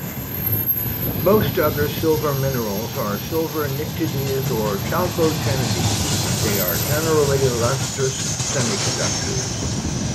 Most other silver minerals are silver pnictides or chalcogenides; they are generally lustrous semiconductors.